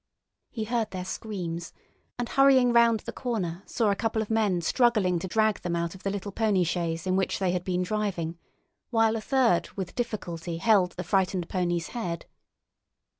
He heard their screams, and, hurrying round the corner, saw a couple of men struggling to drag them out of the little pony chaise in which they had been driving, while a third with difficulty held the frightened pony's head.